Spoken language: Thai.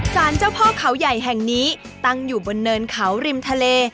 สารเจ้าพ่อเขาใหญ่แห่งนี้ตั้งอยู่บนเนินเขาริมทะเล